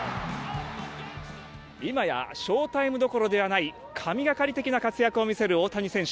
今やショウタイムどころではない神がかり的な活躍を見せる大谷選手。